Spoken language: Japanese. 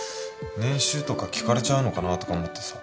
年収とか聞かれちゃうのかなとか思ってさ。